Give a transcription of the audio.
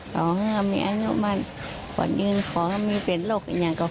ขอให้มีอายุมั่นควรยืนขอให้มีเป็นโรคอย่างนี้